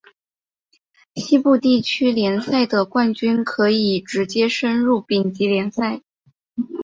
西部地区联赛的冠军可以直接升入丙级联赛。